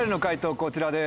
こちらです。